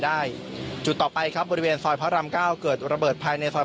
จุดต่อไปครับบริเวณซอยพระรามเก้าเกิดระเบิดภายในซอย